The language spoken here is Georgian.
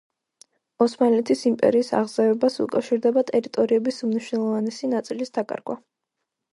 ოსმალეთის იმპერიის აღზევებას უკავშირდება ტერიტორიების უმნიშვნელოვანესი ნაწილის დაკარგვა.